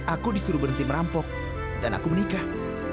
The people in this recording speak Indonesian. aku disuruh berhenti merampok dan aku menikah